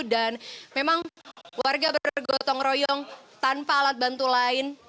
dan memang warga bergotong royong tanpa alat bantu lain